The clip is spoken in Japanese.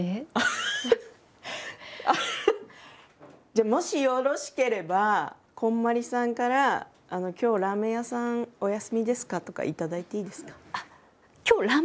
じゃあもしよろしければこんまりさんから「今日ラーメン屋さんお休みですか？」とか頂いていいですか？